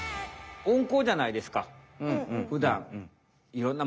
おんこうじゃないですかふだん。